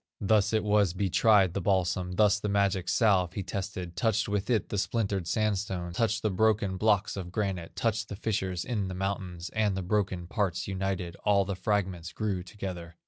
Thus it was he tried the balsam, Thus the magic salve he tested, Touched with it the splintered sandstone, Touched the broken blocks of granite, Touched the fissures in the mountains, And the broken parts united, All the fragments grew together.